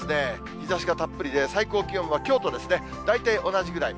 日ざしがたっぷりで、最高気温はきょうと大体同じぐらい。